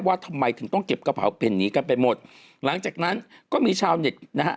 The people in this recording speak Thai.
ว่าทำไมถึงต้องเก็บกระเผาเพ่นหนีกันไปหมดหลังจากนั้นก็มีชาวเน็ตนะฮะ